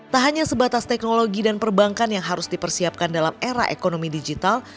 tak hanya sebatas teknologi dan perbankan yang harus dipersiapkan dalam era ekonomi digital